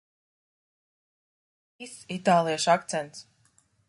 Īsts itāliešu akcents.